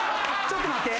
ちょっと待って。